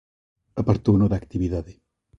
Apartouno da actividade.